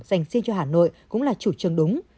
dành xin cho hà nội cũng là chủ trương đúng